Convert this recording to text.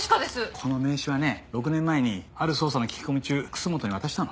この名刺はね６年前にある捜査の聞き込み中楠本に渡したの。